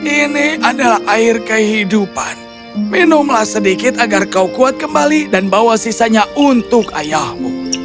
ini adalah air kehidupan minumlah sedikit agar kau kuat kembali dan bawa sisanya untuk ayahmu